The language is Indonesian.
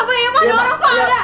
amang ada orang kok ada